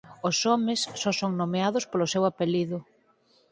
Os homes só son nomeados polo seu apelido.